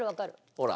ほら。